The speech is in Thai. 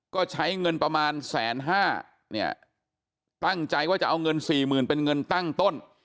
ก็ใช้เงินประมาณแสนห้าเนี่ยตั้งใจว่าจะเอาเงินสี่หมื่นเป็นเงินตั้งต้น